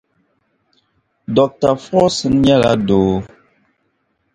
Dr. Forson nyɛla doo